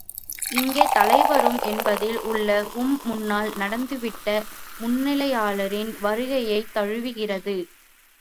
இங்கே தலைவரும் என்பதில் உள்ள உம், முன்னால் நடந்துவிட்ட முன்னிலையாளரின் வருகையைத் தழுவுகிறது.